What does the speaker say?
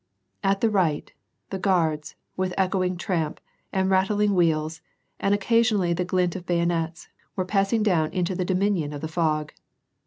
At the right, the Guards, with echoing tramp, and rattling wheels, and occasionally the glint of bayonets, were passing down into the dominion of the fog.